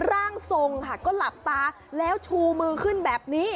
ร่างทรงค่ะก็หลับตาแล้วชูมือขึ้นแบบนี้